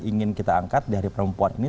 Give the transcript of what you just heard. ingin kita angkat dari perempuan ini